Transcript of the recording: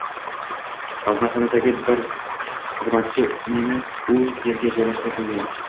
G`aznaxonadagi bir xizmatchi meni u erga joylashtirib qo`ygan